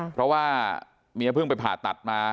เพราะว่าเมียเพิ่งไปผ่าตัดมา